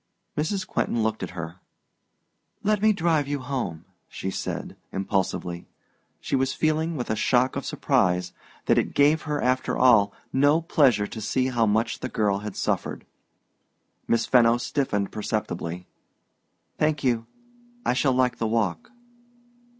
Mrs. Quentin looked at her. "Let me drive you home," she said, impulsively. She was feeling, with a shock of surprise, that it gave her, after all, no pleasure to see how much the girl had suffered. Miss Fenno stiffened perceptibly. "Thank you; I shall like the walk."